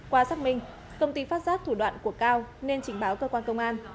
qua xác minh công ty phát giác thủ đoạn của cao nên trình báo cơ quan công an